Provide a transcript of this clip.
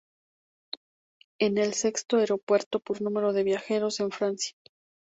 Es el sexto aeropuerto por número de viajeros de Francia.